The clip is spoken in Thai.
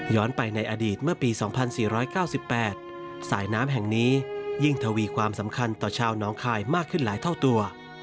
ย้อนไปในอดีตเมื่อปีสองพันสี่ร้อยเก้าสิบแปดสายน้ำแห่งนี้ยิ่งทวีความสำคัญต่อชาวน้องคายมากขึ้นหลายเท่าตัว